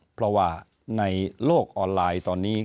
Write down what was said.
เพราะว่าในโลกออนไลน์ตอนนี้